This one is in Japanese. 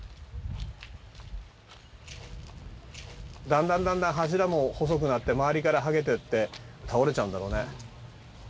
だんだんだんだん柱も細くなって周りから剥げてって倒れちゃうんだろうね。